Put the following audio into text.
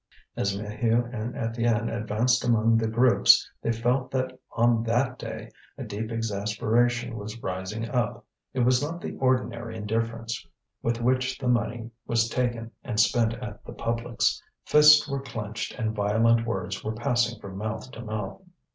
As Maheu and Étienne advanced among the groups they felt that on that day a deep exasperation was rising up. It was not the ordinary indifference with which the money was taken and spent at the publics. Fists were clenched and violent words were passing from mouth to mouth.